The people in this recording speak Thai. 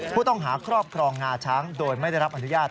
ผู้ต้องหาครอบครองงาช้างโดยไม่ได้รับอนุญาต